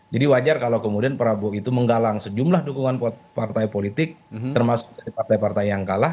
jadi wajar kalau kemudian prabowo itu menggalang sejumlah dukungan partai politik termasuk dari partai partai yang kalah